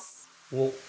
おっ！